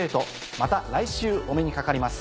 また来週お目にかかります。